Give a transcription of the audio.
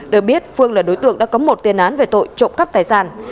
được biết phương là đối tượng đã có một tiền án về tội trộm cắp tài sản